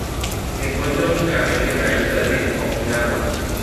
Se encuentra únicamente en la isla de Okinawa.